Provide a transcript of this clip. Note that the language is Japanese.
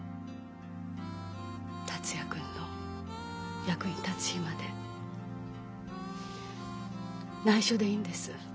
達也君の役に立つ日までないしょでいいんです。